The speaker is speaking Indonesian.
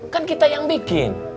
kan kita yang bikin